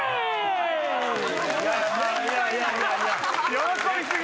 喜び過ぎ！